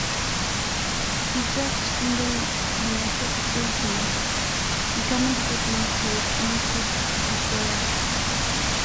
He served in the United States Navy, becoming department head on two destroyers.